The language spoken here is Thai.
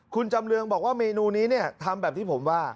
คุณจำเรืองบอกว่าเมนูนี้ทำแบบที่ผมว่า